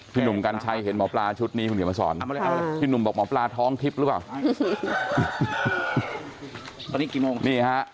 พี่หนุ่มกันใช้เห็นหมอปลาชุดนี้คุณเดี๋ยวมาสอนพี่หนุ่มบอกหมอปลาท้องทิศหรือเปล่า